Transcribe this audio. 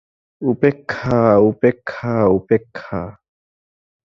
উপেক্ষা, উপেক্ষা, উপেক্ষা।